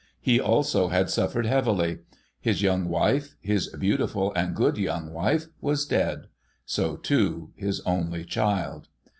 He, also, had suffered heavily. His young wife, his beautiful and good young wife, was dead ; so, too, his only child.